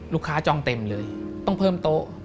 ลูกค้าจองเต็มเลยต้องเพิ่มโต๊ะ